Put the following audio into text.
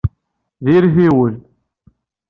Diri-t i wul.